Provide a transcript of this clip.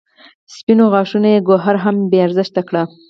سپینو غاښونو یې ګوهر هم بې ارزښته کړ.